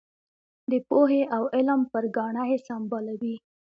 د پوهې او علم پر ګاڼه یې سمبالوي.